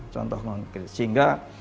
contoh konkret sehingga